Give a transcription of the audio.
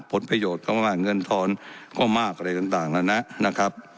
ผลประโยชน์ก็มากเงินทอนก็มากอะไรต่างแล้วนะนะครับ